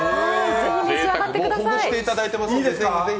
ほぐしていただいて、是非、是非。